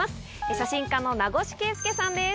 写真家の名越啓介さんです